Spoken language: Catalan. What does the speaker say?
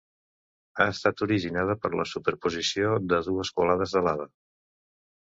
Ha estat originada per la superposició de dues colades de lava.